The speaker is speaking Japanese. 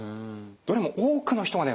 どれも多くの人がね